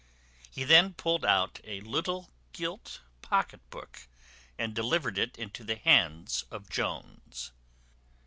He then pulled out a little gilt pocket book, and delivered it into the hands of Jones.